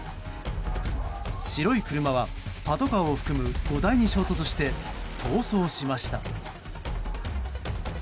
白い車はパトカーを含む５台に衝突して逃走しました。